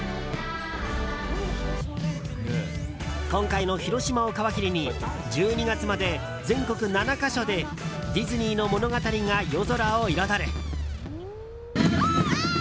今回の広島を皮切りに１２月まで全国７か所でディズニーの物語が夜空を彩る。